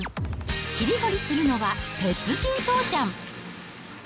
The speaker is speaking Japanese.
切り盛りするのは鉄人父ちゃん。